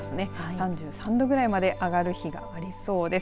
３３度ぐらいまで上がる日がありそうです。